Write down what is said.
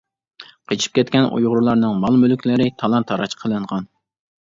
قېچىپ كەتكەن ئۇيغۇرلارنىڭ مال-مۈلۈكلىرى تالان-تاراج قىلىنغان.